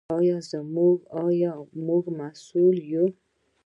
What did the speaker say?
آیا موږ مسوول یو؟